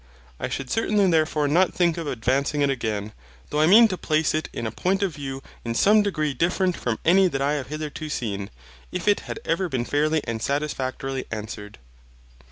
I should certainly therefore not think of advancing it again, though I mean to place it in a point of view in some degree different from any that I have hitherto seen, if it had ever been fairly and satisfactorily answered.